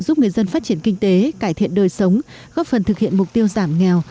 giúp người dân phát triển kinh tế cải thiện đời sống góp phần thực hiện mục tiêu giảm nghèo